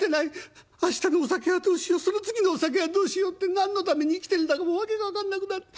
明日のお酒はどうしようその次のお酒はどうしようって何のために生きてんだかもう訳が分かんなくなって。